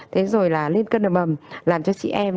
thế rồi là lên cân đầm mầm